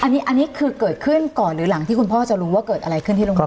อันนี้คือเกิดขึ้นก่อนหรือหลังที่คุณพ่อจะรู้ว่าเกิดอะไรขึ้นที่โรงเรียน